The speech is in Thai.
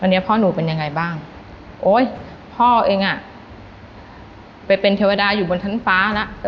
อันนี้พ่อหนูเป็นยังไงบ้างโอ๊ยพ่อเองอ่ะไปเป็นเทวดาอยู่บนชั้นฟ้าแล้ว